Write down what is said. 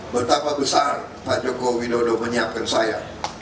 betapa besar pak jokowi dodo menyiapkan saya